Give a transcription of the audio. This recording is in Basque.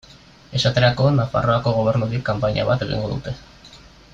Esaterako Nafarroako Gobernutik kanpaina bat egingo dute.